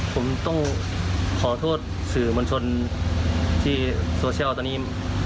ผมต้องขอโทษสื่อมวลชนที่โซเชียลตอนนี้